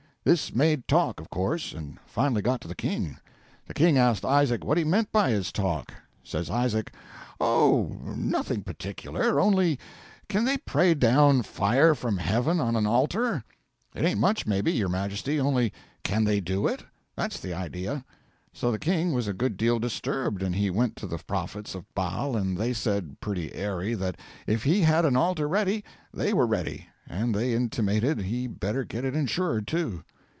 This made talk, of course, and finally got to the King. The King asked Isaac what he meant by his talk. Says Isaac, "Oh, nothing particular; only, can they pray down fire from heaven on an altar? It ain't much, maybe, your majesty, only can they do it? That's the idea." So the King was a good deal disturbed, and he went to the prophets of Baal, and they said, pretty airy, that if he had an altar ready, they were ready; and they intimated he better get it insured, too.